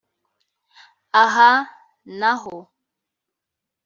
Aha na ho